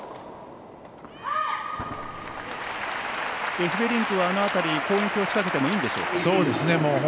エフベリンクはあの辺り、攻撃を仕掛けてもいいんでしょうか。